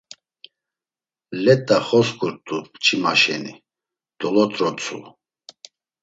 Let̆a xosǩurt̆u mç̌ima şeni, dolot̆rotsu.